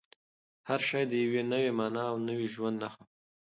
هر شی د یوې نوې مانا او نوي ژوند نښه وه.